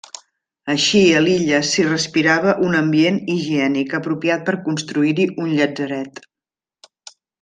Així a l'illa s'hi respirava un ambient higiènic, apropiat per construir-hi un Llatzeret.